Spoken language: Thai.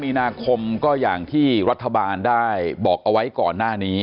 มีนาคมก็อย่างที่รัฐบาลได้บอกเอาไว้ก่อนหน้านี้